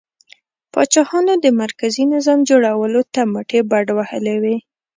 پاچاهانو د مرکزي نظام جوړولو ته مټې بډ وهلې وې.